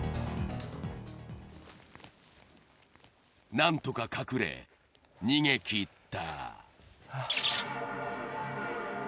なんとか隠れ逃げきった。